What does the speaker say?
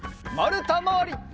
まるたまわり。